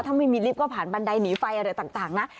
ถ้าไม่มีลิฟต์ก็ผ่านบันไดหนีไฟอะไรต่างนะ